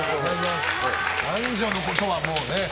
男女のことはもうね。